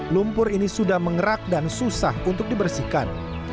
lumpur ini sudah mengerak dan susah untuk dibersihkan